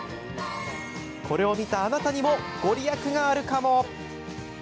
これを見た、あなたにも御利益があるかも？